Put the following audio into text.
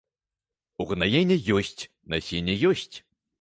Угнаенні ёсць, насенне ёсць.